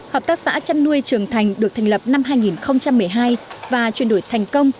hợp tác xã chăn nuôi trường thành được thành lập năm hai nghìn một mươi hai và chuyển đổi thành công